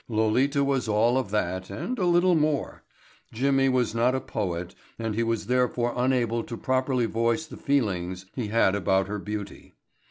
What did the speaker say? Lolita was all of that and a little more. Jimmy was not a poet and he was therefore unable to properly voice the feelings he had about her beauty.